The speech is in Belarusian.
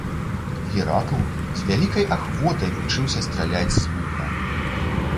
Геракл з вялікай ахвотай вучыўся страляць з лука.